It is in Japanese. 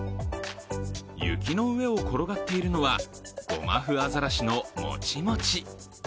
雪の上を転がっているのはゴマフアザラシの、もちもち。